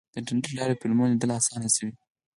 د انټرنیټ له لارې فلمونه لیدل اسانه شوي.